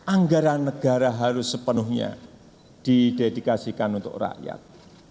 anggaran negara harus sepenuhnya didedikasikan untuk rakyat